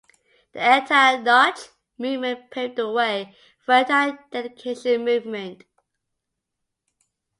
The anti-Nautch movement paved the way for anti-dedication movement.